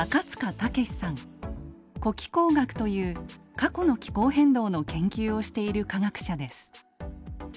「古気候学」という過去の気候変動の研究をしている科学者です。